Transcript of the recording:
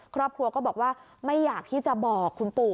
ครอบครัวก็บอกว่าไม่อยากที่จะบอกคุณปู่